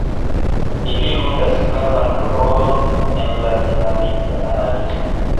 Ili ludas gravan rolon en la dinamika analizo.